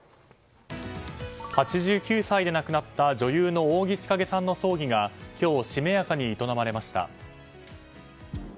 ８９歳で亡くなった女優の扇千景さんの葬儀が今日、しめやかに営まれました。